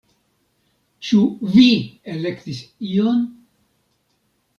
Ĉu vi elektis ion?